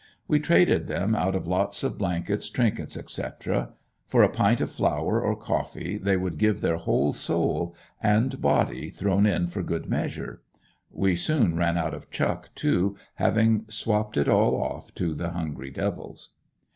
We traded them out of lots of blankets, trinkets, etc. For a pint of flour or coffee they would give their whole soul and body thrown in for good measure. We soon ran out of chuck too, having swapped it all off to the hungry devils.